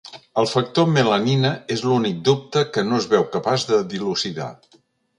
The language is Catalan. El factor melanina és l'únic dubte que no es veu capaç de dilucidar.